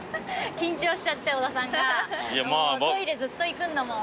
緊張しちゃって小田さんが。トイレずっと行くんだもん。